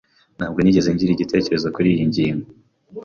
Ntabwo nigeze ngira igitekerezo kuriyi ngingo.